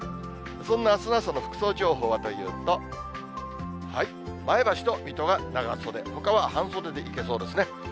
そんなあすの朝の服装情報はというと、前橋と水戸が長袖、ほかは半袖でいけそうですね。